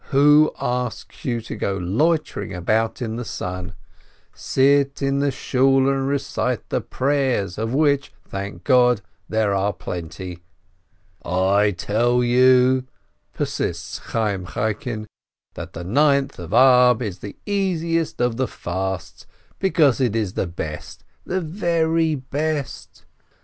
Who asks you to go loitering about in the sun? Sit in the Shool and recite the prayers, of which, thank God, there are plenty. "I tell you," persists Chayyim Chaikin, "that the Ninth of Ab is the easiest of the fasts, because it is the best, the very best